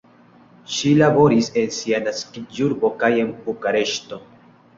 Ŝi laboris en sia naskiĝurbo kaj en Bukareŝto.